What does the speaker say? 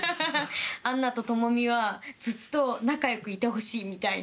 アンナと朋美はずっと仲良くいてほしいみたいな。